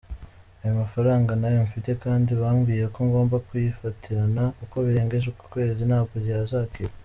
Ayo mafaranga ntayo mfite, kandi bambwiye ko ngomba kuyifatirana, kuko birengeje ukwezi ntabwo yazakira.